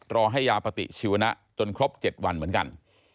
รอให้ยาปฏิชีวนะจนครบ๗วันเหมือนกัน